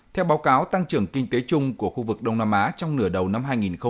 theo báo cáo tăng trưởng kinh tế chung của khu vực đông nam á trong nửa đầu năm hai nghìn hai mươi